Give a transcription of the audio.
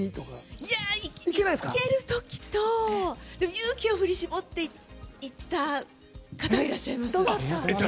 いける時と勇気を振り絞っていった方もいらっしゃいます。